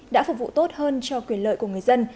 đã phục vụ tốt hơn cho quyền lợi của người dân